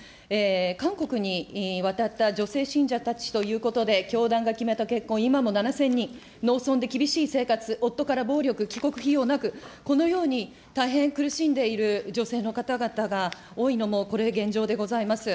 韓国に渡った女性信者たちということで、教団が決めた結婚、今も７０００人、農村で厳しい生活、夫から暴力、帰国費用なく、このように大変苦しんでいる女性の方々が多いのも、これ、現状でございます。